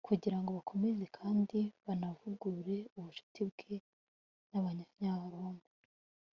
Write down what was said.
kugira ngo bakomeze kandi banavugurure ubucuti bwe n'abanyaroma